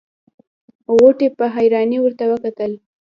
غوټۍ په حيرانۍ ورته کتل.